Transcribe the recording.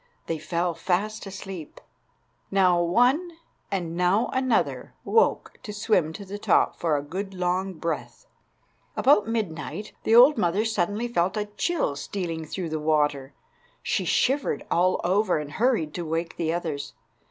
They fell fast asleep. Now one and now another woke to swim to the top for a good long breath. About mid night the old mother suddenly felt a chill stealing through the water. She shivered all over, and hurried to wake the others.